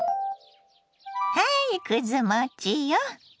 はいくず餅よ。